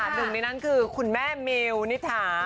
หนึ่งในนั้นคือคุณแม่มิวนิถา